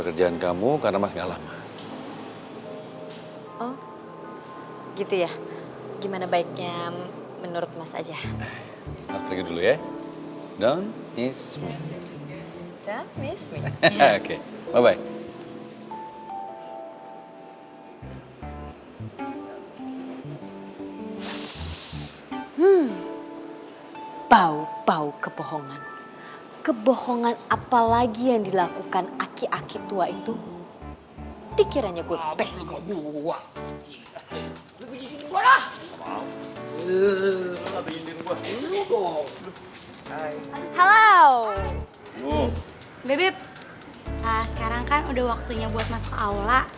sekarang kan udah waktunya buat masuk ke aula